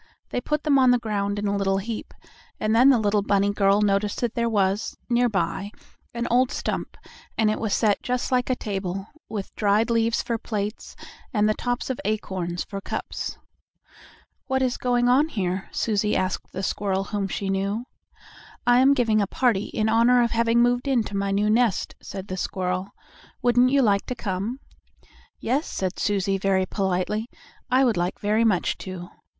They put them on the ground in a little heap, and then the little bunny girl noticed that there was, nearby, an old stump, and it was set just like a table, with dried leaves for plates, and the tops of acorns for cups. "What is going on here?" Susie asked the squirrel whom she knew. "I am giving a party in honor of having moved into my new nest," said the squirrel. "Wouldn't you like to come?" "Yes," said Susie very politely, "I would like very much to."